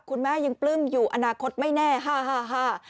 คุณแม่ยังปลื้มอยู่อนาคตไม่แน่ฮ่าฮ่าฮ่า